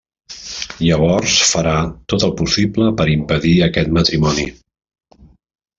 Llavors farà tot el possible per impedir aquest matrimoni.